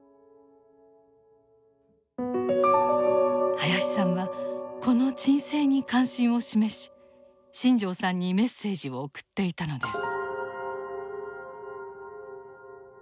林さんはこの鎮静に関心を示し新城さんにメッセージを送っていたのです。